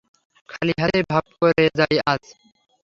খালি হাতেই ভাব করে যাই আজ।